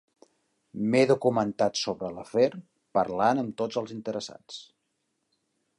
M'he documentat sobre l'afer parlant amb tots els interessats.